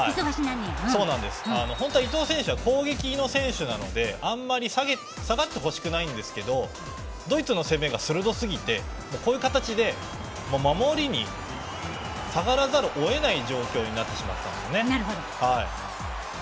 本当は伊東選手は攻撃の選手なのであんまり下がってほしくないんですがドイツの攻めが鋭すぎて守りに下がらざるを得ない状況になってしまったんですね。